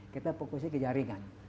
kita fokusnya ke jaringan